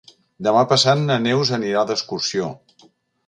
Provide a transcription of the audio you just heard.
Demà passat na Neus anirà d'excursió.